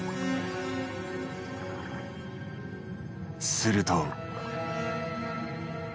すると。